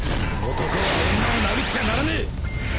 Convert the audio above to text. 男は女を殴っちゃならねえ！